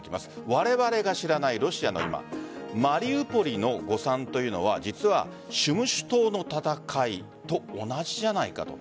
我々が知らないロシアの今マリウポリの誤算というのは実は占守島の戦いと同じじゃないかと。